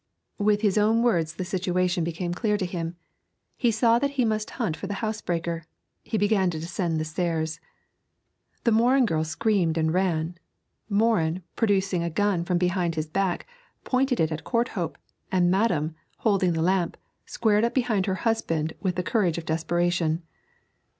With his own words the situation became clear to him. He saw that he must hunt for the house breaker. He began to descend the stairs. The Morin girl screamed and ran. Morin, producing a gun from behind his back, pointed it at Courthope, and madam, holding the lamp, squared up behind her husband with the courage of desperation.